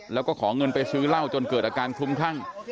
แล้วก็ขอเงินไปซื้อเหล้าจนเกิดอาการคลุมคลั่ง